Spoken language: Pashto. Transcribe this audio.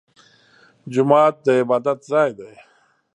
جومات د عبادت ځای دی